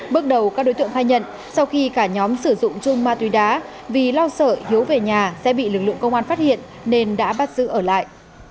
bước đầu các đối tượng khai nhận sau khi cả nhóm sử dụng chung ma túy đá vì lo sợ hiếu về nhà sẽ bị lực lượng công an phát hiện nên đã bắt giữ ở lại